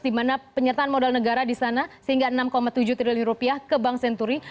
di mana penyertaan modal negara di sana sehingga enam tujuh triliun rupiah ke bank senturi